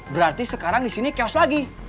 berarti sekarang di sini chaos lagi